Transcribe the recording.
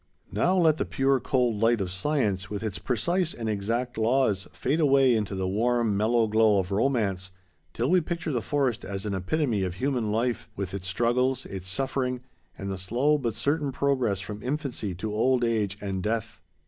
Now let the pure, cold light of science, with its precise and exact laws, fade away into the warm, mellow glow of romance, till we picture the forest as an epitome of human life, with its struggles, its suffering, and the slow but certain progress from infancy to old age and death.